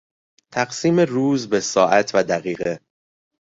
تقسیم روز به ساعت و دقیقه